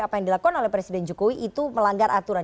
apa yang dilakukan oleh presiden jokowi itu melanggar aturan